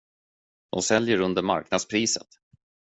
De säljer under marknadspriset.